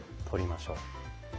取りましょう。